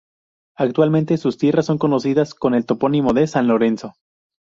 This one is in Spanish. Actualmente sus tierras son conocidas con el topónimo de "San Lorenzo".